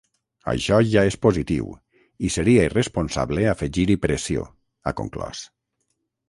Això ja és positiu, i seria irresponsable afegir-hi pressió, ha conclòs.